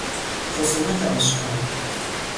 خصومت آشکار